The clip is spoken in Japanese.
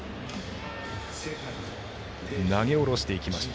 投げ下ろしていきました。